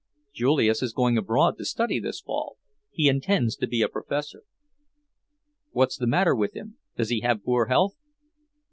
"Julius is going abroad to study this fall. He intends to be a professor." "What's the matter with him? Does he have poor health?"